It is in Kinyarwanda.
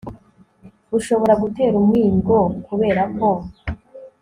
bushobora gutera umwingo kubera ko